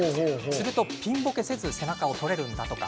すると、ピンボケせず背中を撮れるんだとか。